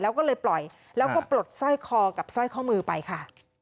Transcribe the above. แล้วก็เลยปล่อยแล้วก็ปลดสร้อยคอกับสร้อยข้อมือไปค่ะ